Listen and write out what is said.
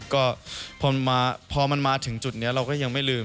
ก็พอมันมาถึงจุดนี้เราก็ยังไม่ลืม